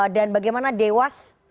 dan bagaimana dewasa